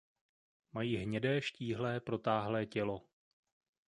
Mají hnědé štíhlé protáhlé tělo.